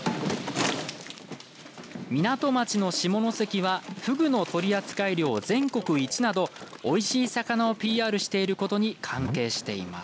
港町の下関はふぐの取扱量、全国一などおいしい魚をＰＲしていることに関係しています。